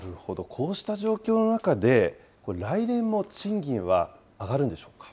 こうした状況の中で、来年も賃金は上がるんでしょうか。